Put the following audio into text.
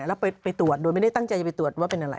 แล้วไปตรวจโดยไม่ได้ตั้งใจจะไปตรวจว่าเป็นอะไร